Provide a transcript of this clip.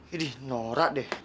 idih norak deh